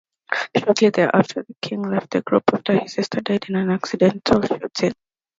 Shortly thereafter, King left the group after his sister died in an accidental shooting.